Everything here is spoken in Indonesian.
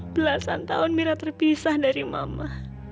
belasan tahun mira terpisah dari mama